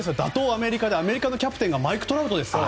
アメリカでアメリカのキャプテンがマイク・トラウトですよ。